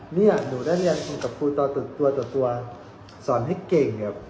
เนี่ยหนูได้เรียนคุยกับครูต่อตัวต่อตัวสอนให้เก่ง